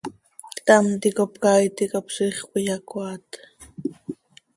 Ctam ticap caay ticap ziix cöiyacoaat.